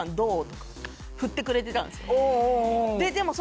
振ってくれてたんですよ。